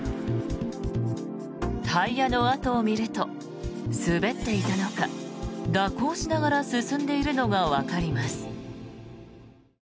タイヤの跡を見ると滑っていたのか蛇行しながら進んでいるのがわかります。